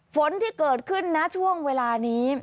ฝนที่เกิดขึ้นนะช่วงเวลานี้